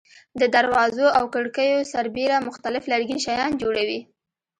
د دروازو او کړکیو سربېره مختلف لرګین شیان جوړوي.